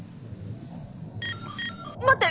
待って！